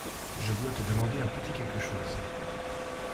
je dois te demander un petit quelque chose.